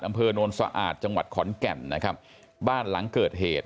อำเภอโนนสะอาดจังหวัดขอนแก่นนะครับบ้านหลังเกิดเหตุ